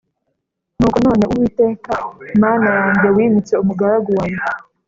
Nuko none, Uwiteka Mana yanjye, wimitse umugaragu wawe